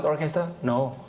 orkestra kecil tidak